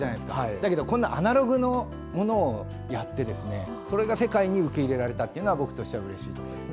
だけどこんなアナログのものをやってそれが世界に受け入れられたというのは僕としてはうれしいことですね。